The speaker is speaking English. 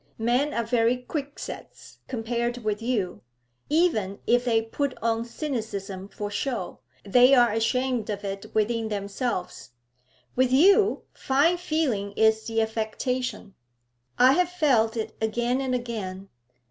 Men are very Quixotes compared with you; even if they put on cynicism for show, they are ashamed of it within themselves. With you, fine feeling is the affectation. I have felt it again and again.